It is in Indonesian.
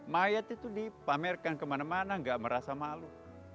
mayat itu dipamerkan kemana mana gak merasa malu